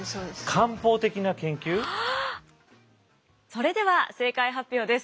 それでは正解発表です。